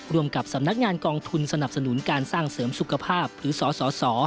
กับสำนักงานกองทุนสนับสนุนการสร้างเสริมสุขภาพหรือสส